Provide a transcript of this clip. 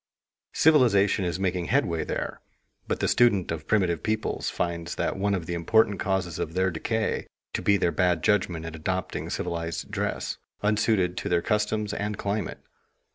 Civilization is making headway there; but the student of primitive peoples finds one of the important causes of their decay to be their bad judgment in adopting civilized dress, unsuited to their customs and climate.